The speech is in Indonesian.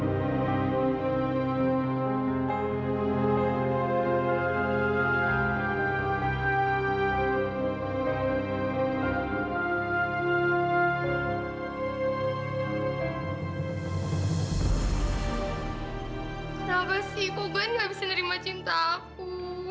kenapa sih kok gua nggak bisa nerima cinta aku